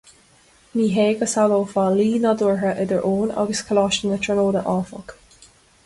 Ní hé go samhlófá luí nádúrtha idir Eoin agus Coláiste na Tríonóide, áfach.